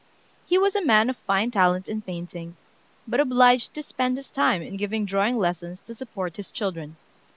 He was a man of fine talent in painting, but obliged to spend his time in giving drawing lessons to support his children.